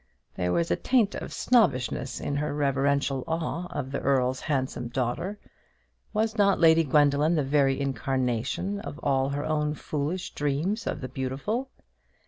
There was a taint of snobbishness in her reverential awe of the Earl's handsome daughter. Was not Lady Gwendoline the very incarnation of all her own foolish dreams of the beautiful?